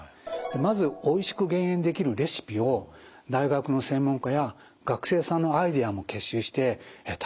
まずおいしく減塩できるレシピを大学の専門家や学生さんのアイデアも結集してたくさん作ってもらいました。